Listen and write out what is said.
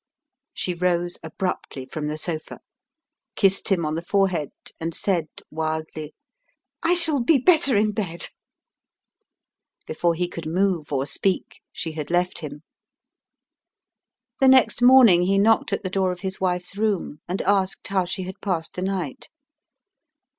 She rose abruptly from the sofa, kissed him on the forehead, and said wildly, "I shall be better in bed!" Before he could move or speak she had left him. The next morning he knocked at the door of his wife's room, and asked how she had passed the night.